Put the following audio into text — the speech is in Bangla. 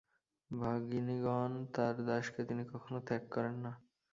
ভগিনীগণ! তাঁর দাসকে তিনি কখনও ত্যাগ করেন না।